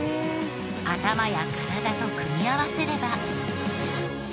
頭や体と組み合わせれば。